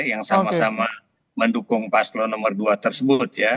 yang sama sama mendukung paslon nomor dua tersebut ya